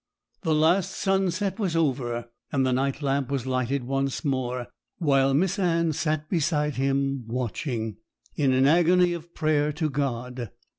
The last sunset was over, and the night lamp was lighted once more; while Miss Anne sat beside him watching, in an agony of prayer to God.